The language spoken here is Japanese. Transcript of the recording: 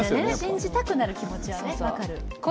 信じたくなる気持ちは分かる。